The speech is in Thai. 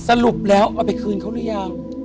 สรุปแล้วเอาไปคืนเขาหรือยัง